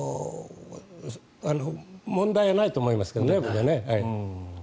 問題ないと思いますけどね、僕は。